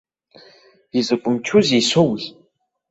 Изакә мчузеи исоуз!